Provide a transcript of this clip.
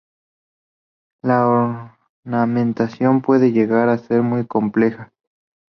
La ornamentación puede llegar a ser muy compleja.